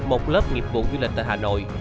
một lớp nghiệp vụ du lịch tại hà nội